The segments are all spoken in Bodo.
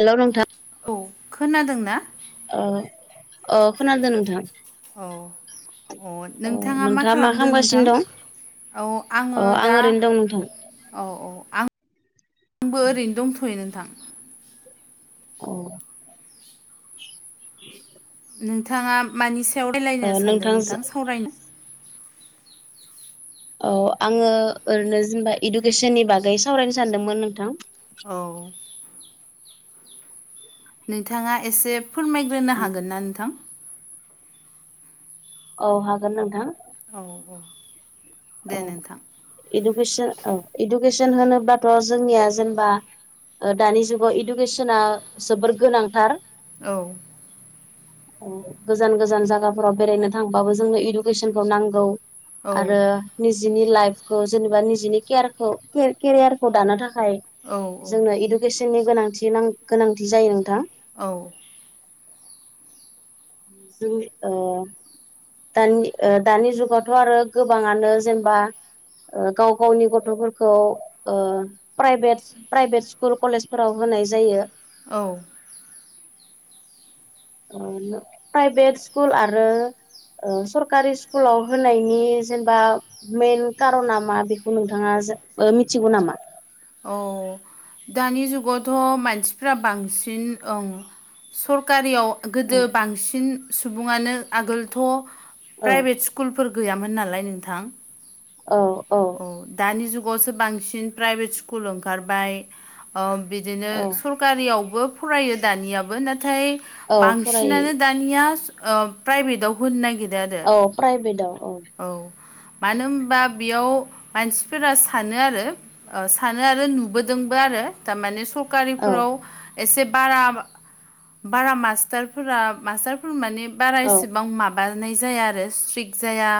हेलौ नोंथां। औ खोनादों ना। अ अ खनादों नोंथां। औ अ नोंथाङा मा खालामदों नोंथां। औ आङो अ आं दा। ओरैनो दं नोंथां औ औ आं आंबो ओरैनो दंथ'यो नोंथां। औ। नोंथाङा मानि सायाव रायलायनो सानदों नोंथांजो नोंथां सावरायनो। औ आङो ओरैनो जेनेबा इडुकेसननि बागै सावरायनो सानदोंमोन नोंथां। औ। नोंथाङा एसे फोरमायग्रोनो हागोन ना नोंथां। औ हागोन नोंथां। औ औ दे औ नोंथां। इडुकेसन औ इडुकेसन होनोबाथ' जोंनिया जेनेबा। दानि जुगाव इडुकेसना जोबोर गोनांथार। औ। [inaudible] गोजान गोजान जायगाफोराव बेरायनो थांबाबो जोंनो इडुकेसनखौ नांगौ। औ आरो निजिनि लाइफखौ जेनेबा निजिनि केयारखौ केरियारखौ दानो थाखाय। जोंनो इडुकेसननि गोनांथिनां गोनांथि जायो नोंथां। औ। जों ओ। दानि ओ दानि जुगावथ' आरो गोबाङानो जेनेबा। गाव गावनि गथ'फोरखौ प्राइभेट। प्राइभेट स्कुल कलेजफोराव होनाय जायो। औ। ओम प्राइभेट स्कुल आरो। ओ सरकारि स्कुलाव होनायनि जेनेबा। मेन कारना मा बेखौ नोंथाङा जो ओ मिथिगौ नामा। औ दानि जुगावथ' मानसिफोरा बांसिन ओं। सरखारियाव औ गोदो बांसिन सुबुङानो आगोलथ' औ प्राइभेट स्कुल। स्कुलफोर गैयामोन नालाय नोंथां। औ औ। दानि जुगावसो बांसिन प्राइभेट स्कुल ओंखारबाय। बिदिनो सरकारियावबो फरायो दानियाबो नाथाय औ फरायो बांसिनानो दा। दानिया ओ प्राइभेटव होनो नागिरो आरो। अ प्राइभेटाव अ। औ मानो होनबा बेयाव मानसिफोरा सानो आरो। ओ सानो आरो नुबोदोंबो आरो थारमाने औ सरकारिफ्राव। एसे बारा बारा मास्टारफोरा मास्टारफोर माने। बारा औ एसेबां माबानाय जाया आरो स्ट्रिक जाया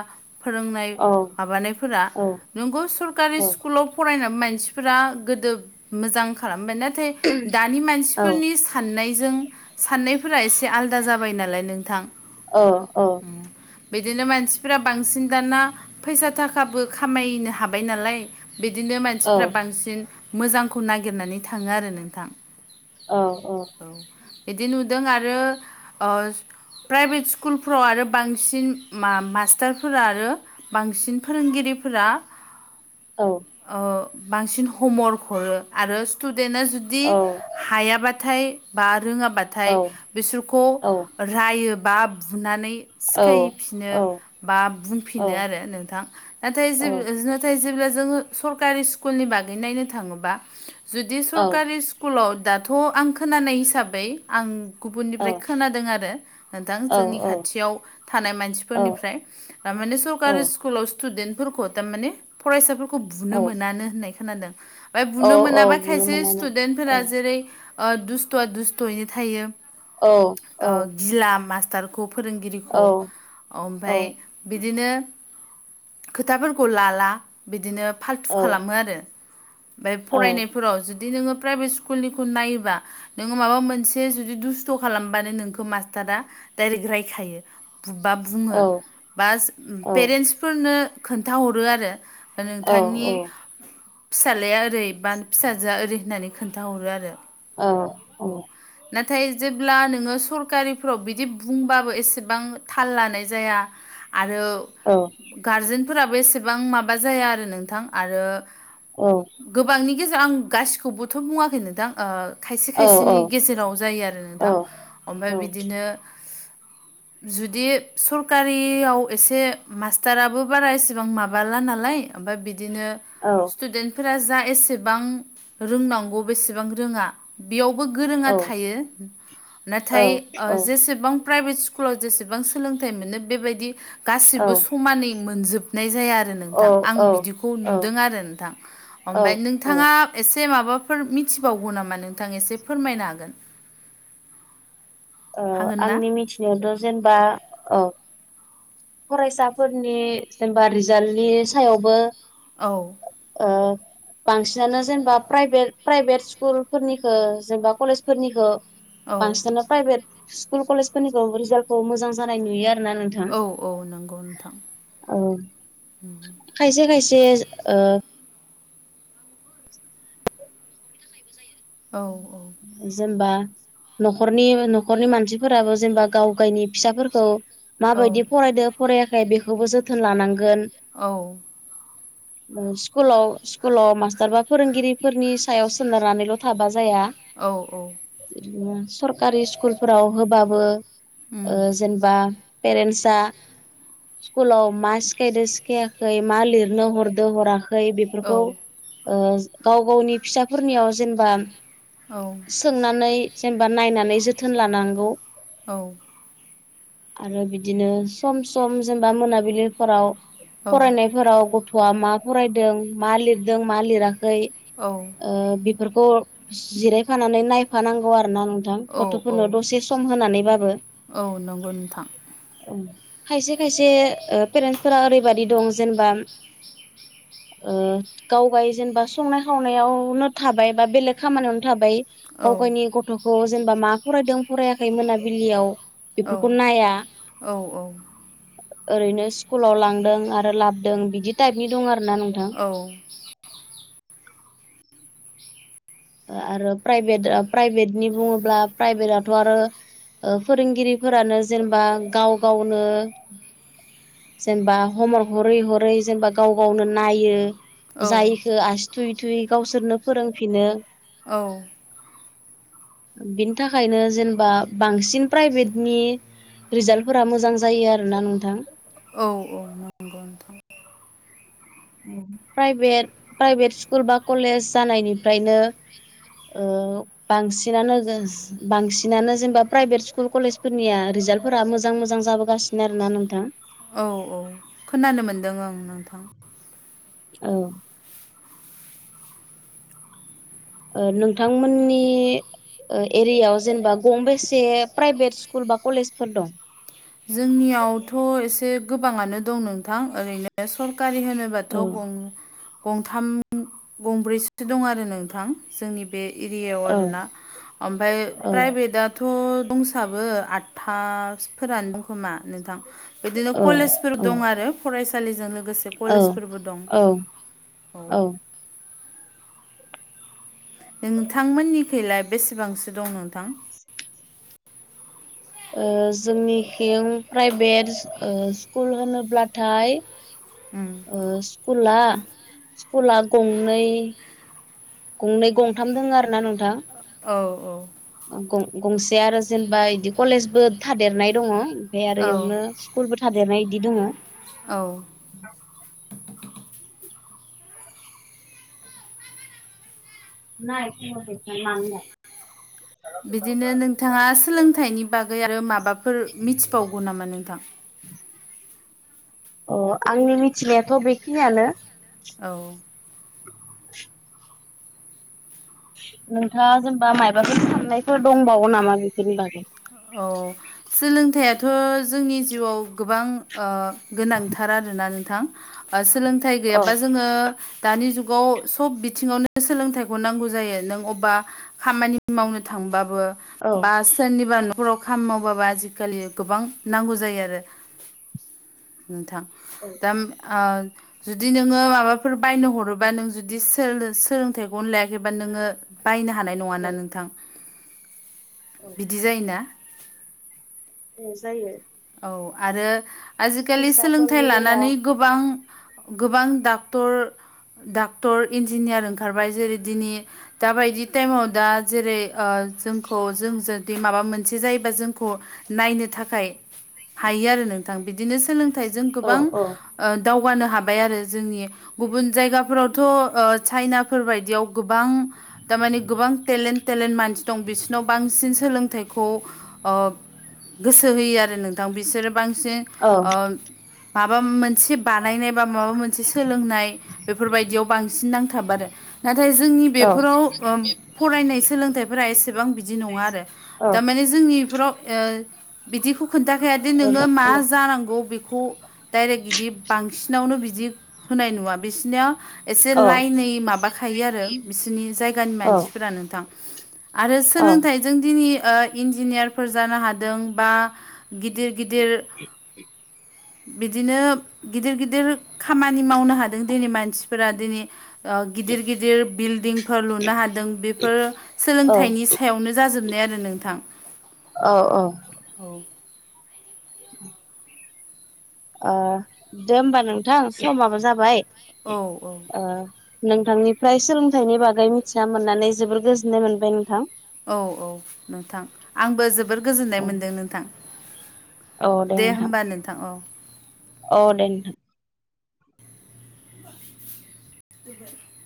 फोरोंनाय औ माबानायफोरा औ नोंगौ सरकारि औ स्कुलाव फरायन मानसिफोरा गोदो मोजां खालामबाय। नाथाय दानि औ मानसिफोरनि साननायजों साननायफोरा एसे आलादा जाबाय नालाय नोंथां। औ औ। बिदिनो मानसि फोर बांसिन दाना फैसा थाखाबो खामायनो हाबाय नालाय बिदिनो मानसिफ्रा बांसिन मोजांखौ नागिरनानै थाङो आरो नोंथां। औ औ। औ बिदि नुदों आरो प्राइभेट स्कुलफ्राव आरो बांसिन मास टारफोरा आरो बांसिन फोरोंगिरिफोरा औ। औ बांसिन हमवर्क हरो आरो स्टुदेन्टआ जुदि हायाबाथाय बा रोङाब्लाथाय बिसोरखौ रायोबा बुनानै सिखायफिनो। बा बुंफिनो आरो नोंथां। नाथाय जेबो ओजो नाथाय जेब्ला जोङो सरकारि स्कुलनि बागै नायनो थाङोबा जुदि सरकारि स्कुलाव दाथ' आं खोनानाय हिसाबै, आं गुबुननिफ्राय खोनादों आरो नोंथां जोंनि खाथियाव थानाय मानसिफोरनिफ्राय। थारमाने सरकारि स्कुलाव स्टुदेन्टफोरखौ थारमाने फरायसाफोरखौ औ बुनो मोनानो होननाय खोनादों। ओमफ्राय औ बुनो मोनाबा बुनो खायसे मोनानो औ स्टुदेन्टफोरा जेरै ओ दुस्थ'आ दुस्थ'यैनो थायो औ ओ औ। गिला मास्टारखौ फोरोंगिरिखौ ओमफ्राय बिदिनो खोथाफोरखौ लाला बिदिनो फाल्थु खालामो आरो ओमफ्राय फरायनाय फोराव जुदि नोङो प्राइभेट स्कुलनिखौ नायोबा नोङो माबा मोनसे जुदि दुस्थ' खालामबानो नोंखौ मास्टारा डाइरेक्ट रायखायो बुबा बुङो बा पेरेन्टसफोरनो खोन्थाहरो आरो नोंथांनि फिसाज्लाया ओरै बा फिसाजोआ ओरै होननानै खोन्थाहरो आरो। औ। औ। नाथाय जेब्ला नोङो सरकारिफ्राव बिदि बुंबाबो एसेबां थाल लानाय जाया आरो औ। गारजेनफोराबो एसेबां माबा जाया आरो नोंथां आरो औ। गोबांनि गेजेराव आं गासिखौबोथ' बुङाखै नोंथां ओ खायसे खायसेनि गेजेराव जायो आरो नोंथां। ओमफ्राय बिदिनो जुदि सरकारियाव एसे मास्टाराबो बारा एसेबां माबाला नालाय ओमफ्राय बिदिनो औ। स्टुडेन्टफोरा जा एसेबां रोंनांगौ बेसेबां रोङा। बेयावबो गोरोङा थायो नाथाय ओ जेसेबां प्राइभेट स्कुलाव जेसेबां सोलोंथाइ मोनो बेबायदि गासिबो समानै मोनजोबनाय जाया आ रो नोंथां, आं बिदिखौ नुदों आरो नोंथां। औ ओमफ्राय औ औ नोंथाङा एसे माबाफोर मिथिबावगौ नामा नोंथां एसे फोरमायनो हागोन? ओ हागोन ना आंनि मिथिनायावथ' जेनेबा औ फरायसाफोरनि जेनेबा रिजाल्टनि सायावबो औ। ओ बांसिनानो जेनेबा प्राइभेट प्राइभेट स्कुलफोरनिखो जेनेबा कलेजफोरनिखो। औ बांसिनानो प्राइभेट स्कुल कलेजफोरनिखौ रिजाल्टखौ मोजां जानाय नुयो आरोना नोंथां। औ औ नंगौ नोंथां। औ खायसे खायसे ओ औ औ। जेनबा न'खरनि न'खरनि मानसिफोराबो जेनेबा गाव गायनि फिसाफोरखौ औ माबायदि फरायदो फरायाखै बेखौबो जोथोन लानांगोन। औ। स्कुलाव स्कुलाव मास्टार बा फोरोंगिरिफोरनि सायाव सोनारनानैल' थाबा जाया औ औ। बिदिनो सरकारि स्कुलफोराव होबाबो उम ओ जेनेबा पेरेन्टसआ स्कुलाव मा सिखायदों सिखायाखै मा लिरनो हरदो हरा जाय औ बेफोरखौ ओ गाव गावनि फिसाफोरनियाव जेनेबा औ सोंनानै जेनेबा नायनानै जोथोन लानांगौ। औ। आरो बिदिनो सम सम जेनेबा मोनाबिलिफोराव फरायनायफोराव गथ'आ मा फरायदों मा लिरदों मा लिराखै औ बेफोरखौ जिरायफानानै नायफानांगौ आरो ना नों थां औ औ गथ'फोरनो दसे सम होनानैबाबो नंगौ नोंथां औ खायसे खायसे ओ पेरेन्टसफोरा ओरैबाददि दं जेनेबा ओ गावगाय जेनेबा संनाय खावनायावनो थाबाय बा बेलेग खामानियावनो थाबाय औ गावगायनि ग गथ'खौ जेनेबा मा फरायदों फरायाखै मोनाबिलियाव औ बेफोरखौ नाया औ ओरैनो स्कुलाव लांदों आरो लाबोदों बिदि टाइपनि दं आरो ना नोंथां। औ ओयआरो प्राइभेट प्राइभेटनि बुङोब्ला प्राइभेटआथ' आरो। ओ फोरोंगिरिफोरानो जेनेबा गाव गावनो। जेनेबा हमवर्क हरै हरै जेनेबा गाव गावनो नायो औ जायिखो आसि थुयै थुयै गावसोरनो फोरोंफिनो औ बिनि थाखायनो जेनेबा बांसिन प्राइभेटनि रिजाल्टफोरा मोजां जायो आरो ना नोंथां। औ औ नंगौ नोंथां। [inaudible] औ प्राइभेट प्राइभेट स्कुल बा कलेज जानायनिफ्रायनो' ओ बांसिनानो बांसिनानो जेनेबा प्राइभेट स्कुल कलेजफोरनिया रिजाल्टफोरा मोजां मोजां जाबोगासिनो आरो ना नोंथां। औ औ खोनानो मोनदों ओं नोंथां। औ। [inaudible] ओ नोंथांमोननि ओ एरियायाव जेनेबा गंबेसे स्कुल बा कलेजफोर दं। जोंनियावथ' एसे गोबाङानो दं नोंथां ओरैनो सरकारि औ होनोब्ला गंब्रैसो दं आरो नोंथां जोंनि बे एरियायाव औ आरोना ओमफ्राय प्राइभेटआ दाथ' दंसाबो आठथाफोरानो दंखोमा नोंथां। बिदिनो औ कलेजफोर दं आरो फरायसालिजों लोगोसे औ कलेजफोरबो दं। औ औ ओ नोंथांमोननिखैलाय बेसेबांसो दं नोंथां।? जोंनिथिं प्राइभेट स्कुल होनोब्लाथाय [inaudible] उम। स्कुला स्कुला गंनै गंनै गंथाम दोङ आरो ना नोंथां। औ औ गं गंसे आरो जेनेबा बिदि कलेजबो थादेरनाय दङ ओमाय आरो औ इयावनो स्कुलबो थादेरनाय बिदि दङो। औ नै मानला [unintelligible] बिदिनो नोंथाङा सोलोंथाइनि बागै आरो माबाफोर मिथिबावगौ नामा नोंथां? अ आंनि मिथिनायाथ' बेखिनियानो। औ [inaudible] नोंथाङा जेनेबा मायाबाफोर साननायफोर दंबावो नामा बेफोरनि बागै? औ सोलोंथाइथ' जोंनि जिउआव गोबां गोनांथार आरोना नोंथां सोलोंथाइ औ गैयाबा जोङो दानि जुगाव सब बिथिङावनो सोलोंथाइखौ नांगौ जायो नों अबा खामानि मावनो थांबाबो औ बा सोरनिबा न खाव खाम मावबाबा आजिखालि गोबां नांगौ जायो आरो नोंथां औ दा [unintelligible] जुदि नोङो माबाफोर बायनो हरोबा नों जुदि सोलोंथाइखौनो लायाखैबा नोङो बायनो हानाय औ नङाना नोंथां औ बिदि जायोना? ए जायो। औ आरो आजिखालि सोलोंथाइ फैसाफोरनि बेला औ लानानै गोबां गोबां डक्टर डाक्टर इन्जिनियार ओंखारबाय जेरै दिनै दााबायदि टाइमाव दा जेरै जोंखौ जों जुदि माबा मोनसे जायोबा जोंखौ नायनो थाखाय हायो आरो नोंथां बिदिनो सोलोंथाइजों गोबां औ दावगानो हाबाय आरो जोंनि गुबुन जायगाफोरावथ' चाइनाफोर बायदियाव गोबां थारमाने गोबां टेलेन्ट टेलेन्ट मानसि दं बिसिोरनाव बांसिन सोलोंथाइखौ गोसो होयो आरो नोंथां बिसोरो बांसिन औ माबा मोनसे मोनसे बानायनाय बा माबा मोनसे सोलोंनाय बेफोरबायदियाव बांसिन नांथाब आरो नाथाय जोंनि औ बेफोराव फरायनाय सोलोंथाइफोरा एसेबां बिदि बिदि नङा आरो औ दारमाने जोंनिफोराव बिदिखौ खोन्थाखायाद नोङो मा जानांगौ बेखौ डाइरेक्ट बिदि बांसिनावनो बिदि होनाय नुवा बिसनिया एसे लाइनै माबाखायो आरो बिसोरनि जायगानि मानसिफोरा नोंथां। आरो सोलोंथाइजों दिनै इन्जिनियारफोर जानो हादों बा गिदिर गिदिर बिदिनो गिदिर गिदिर खामानि मावनो हादों दिनै मानसिफोरा दिनै गिदिर गिदिर बिल्डिंफोर लुनो हादों बेफोर औ सोलोंथाइनि सायावनो जाजोबनाय आरो नोंथां औ औ। औ ओ दे होमबा नोंथां समाबो जाबाय। औ ओ नोंथांनिफ्राय सोलोंथाइनि बागै मिथिना मोननानै जोबोर गोजोननाय मोनबाय नोंथां औ औ नोंथां आंबो जोबोर गोजोननाय औ मोनदों नोंथां। दे होमबा नोंथां औ औ दे नोंथां गोह